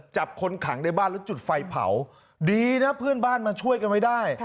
จับคนขังในบ้านแล้วจุดไฟเผาดีนะเพื่อนบ้านมาช่วยกันไว้ได้